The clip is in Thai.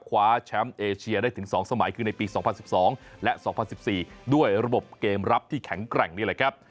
คว้าแชมป์เอเชียได้ถึง๒สมัยคือในปี๒๐๑๒และ๒๐๑๔ด้วยระบบเกมรับที่แข็งแกร่งนี่แหละครับ